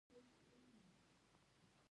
دوی وايي کارګران په شرکتونو کې برخه اخیستلی شي